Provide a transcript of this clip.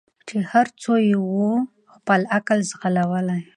چي هر څو یې وو خپل عقل ځغلولی